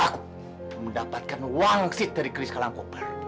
dan aku mendapatkan kemampuan keris kalang kobar itu